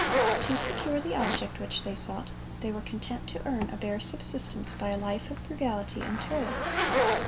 To secure the object which they sought, "they were content to earn a bare subsistence by a life of frugality and toil.